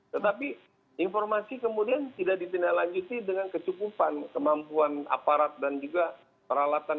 tetapi informasi kemudian tidak ditindaklanjuti dengan kecukupan kemampuan aparat dan juga peralatan